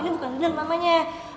ini bukan dinner mamanya